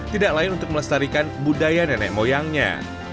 tidak lain untuk melestarikan budaya nenek moyangnya